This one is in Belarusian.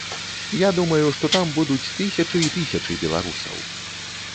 Я думаю, што там будуць тысячы і тысячы беларусаў.